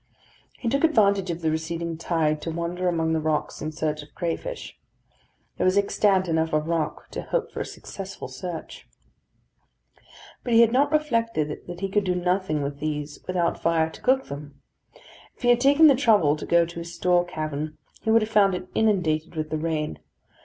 He took advantage of the receding tide to wander among the rocks in search of crayfish. There was extent enough of rock to hope for a successful search. But he had not reflected that he could do nothing with these without fire to cook them. If he had taken the trouble to go to his store cavern, he would have found it inundated with the rain.